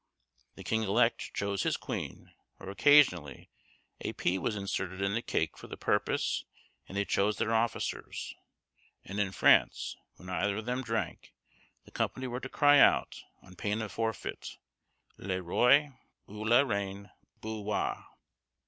The king elect chose his queen, or occasionally a pea was inserted in the cake for the purpose, and they chose their officers; and in France, when either of them drank, the company were to cry out, on pain of forfeit, "Le Roi (ou la Reine) boit."